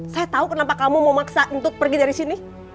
saya tau kenapa kamu mau maksa untut pergi dari sini